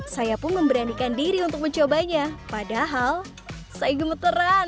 saya pun memberanikan diri untuk mencobanya padahal saya gemeteran